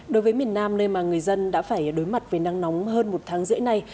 đối với miền nam nơi mà người dân đã phải đối mặt với nắng nóng hơn một tháng rưỡi nay